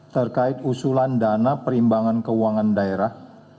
terkait usulan dana perimbangan keuangan daerah